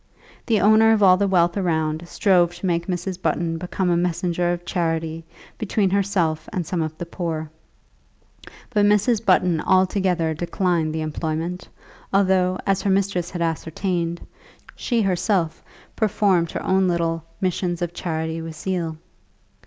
The owner of all the wealth around strove to make Mrs. Button become a messenger of charity between herself and some of the poor; but Mrs. Button altogether declined the employment, although, as her mistress had ascertained, she herself performed her own little missions of charity with zeal.